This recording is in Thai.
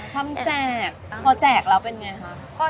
แจกพอแจกแล้วเป็นไงคะ